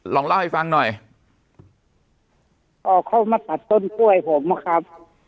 ลองเล่าให้ฟังหน่อยอ๋อเขามาตัดต้นกล้วยผมนะครับ